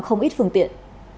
không ít phương tiện